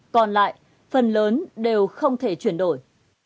còn lại phần lớn đều không thể chuyển đổi